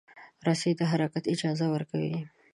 رسۍ د حرکت اجازه ورکوي.